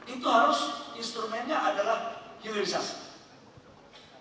itu harus instrumennya adalah hilirisasi